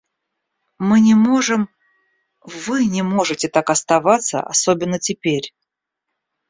Мы не можем... вы не можете так оставаться, особенно теперь.